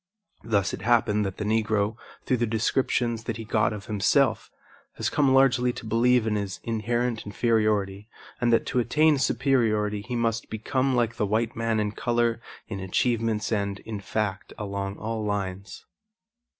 Thus it happened that the Negro, through the descriptions that he got of himself, has come largely to believe in his inherent inferiority and that to attain superiority he must become like the white man in color, in achievements and, in fact, along all lines.